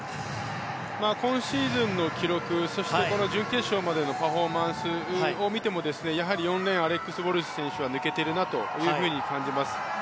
今シーズンの記録そして、準決勝までのパフォーマンスを見ても４レーンアレックス・ウォルシュ選手は抜けているなと感じます。